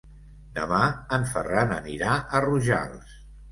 Demà en Ferran anirà a Rojals.